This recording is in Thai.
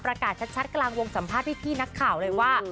ประกาศชัดกลางวงสัมภาษณ์พี่นักข่าวเลยว่า